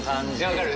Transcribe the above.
分かる！